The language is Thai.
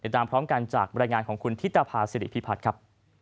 ตามพร้อมกันจากบรรยายงานของคุณธิตภาษิริพิพัฒน์ครับ